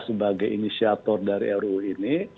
sebagai inisiator dari ruu ini